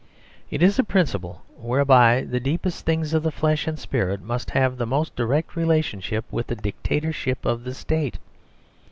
It is a principle whereby the deepest things of flesh and spirit must have the most direct relation with the dictatorship of the State.